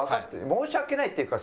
申し訳ないっていうか